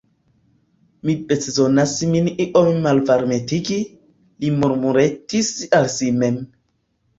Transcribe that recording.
Mi bczonas min iom malvarmetigi, li murmuretis al si mem.